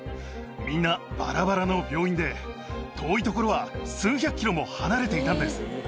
みんなばらばらの病院で、遠い所は数百キロも離れていたんです。